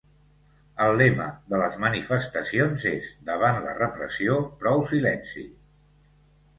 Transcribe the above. El lema de les manifestacions és Davant la repressió, prou silenci.